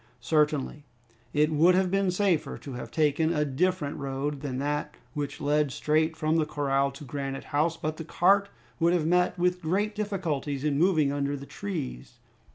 Certainly, it would have been safer to have taken a different road than that which led straight from the corral to Granite House, but the cart would have met with great difficulties in moving under the trees.